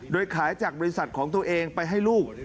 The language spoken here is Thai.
โดยขายจากบริษัทของตัวเองไปให้ลูก